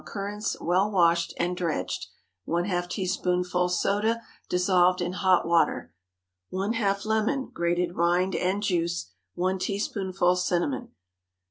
currants, well washed and dredged. ½ teaspoonful soda dissolved in hot water. ½ lemon, grated rind and juice. 1 teaspoonful cinnamon.